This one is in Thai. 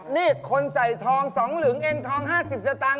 นี่คนใส่ทองสองหลึงเอ็งทอง๕๐สตังค์